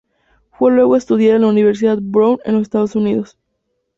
Fue luego a estudiar a la Universidad Brown en los Estados Unidos.